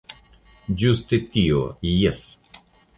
Ĝuste tio, jes!